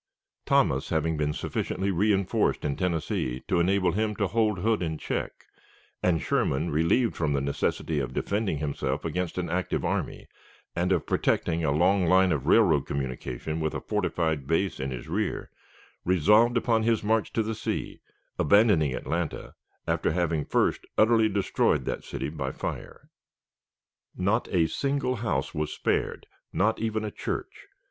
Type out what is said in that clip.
Thomas having been sufficiently reënforced in Tennessee to enable him to hold Hood in check, and Sherman relieved from the necessity of defending himself against an active army, and of protecting a long line of railroad communication with a fortified base in his rear, resolved upon his march to the sea, abandoning Atlanta, after having first utterly destroyed that city by fire. Not a single house was spared, not even a church.